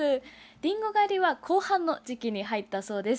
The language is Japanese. りんご狩りは後半の時期に入ったそうです。